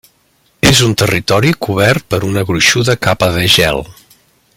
És un territori cobert per una gruixuda capa de gel.